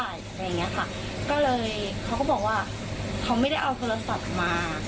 อะไรอย่างเงี้ยค่ะก็เลยเขาก็บอกว่าเขาไม่ได้เอาโทรศัพท์มา